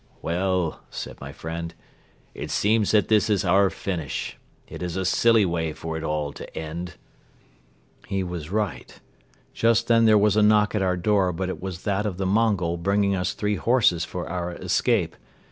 "Well," said my friend, "it seems that this is our finish. It is a silly way for it all to end." He was right. Just then there was a knock at our door but it was that of the Mongol bringing us three horses for our escape.